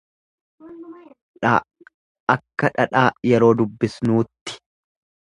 dh akka dhadhaa yeroo dubbisnuutti.